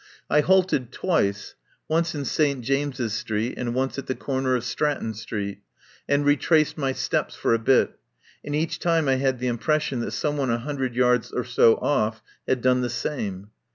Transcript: I halted twice, once in St. James's Street and once at the cor ner of Stratton Street, and retraced my steps for a bit, and each time I had the impression that some one a hundred yards or so off had done the same.